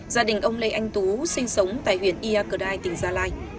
gia đình ông lê anh tú sinh sống tại huyện ia cờ đai tỉnh gia lai